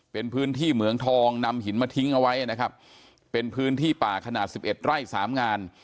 เป็นพื้นที่เหมืองทองนำหินมาทิ้งเอาไว้นะครับเป็นพื้นที่ป่าขนาดสิบเอ็ดไร่สามงาน